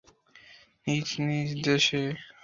নিজ নিজ দেশে।